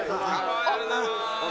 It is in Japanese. ありがとうございます！